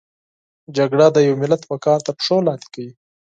جګړه د یو ملت وقار تر پښو لاندې کوي